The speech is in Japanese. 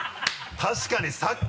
確かにさっき！